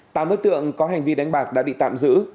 tám đối tượng có hành vi đánh bạc đã bị tạm giữ